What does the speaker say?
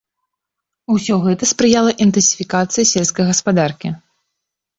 Усё гэта спрыяла інтэнсіфікацыі сельскай гаспадаркі.